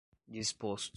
disposto